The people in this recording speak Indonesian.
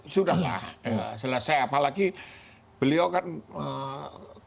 sudahlah selesai apalagi beliau kan kemampuan terbaik